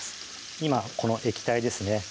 今この液体ですね